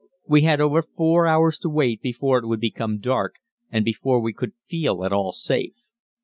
We had over four hours to wait before it would become dark and before we could feel at all safe.